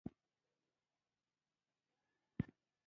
که د درمل په تزریق سره کافر شي.